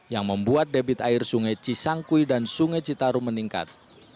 yang membuat debit air sungai cisangkui dan sungai citarum meningkat